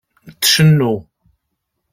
Tcennu.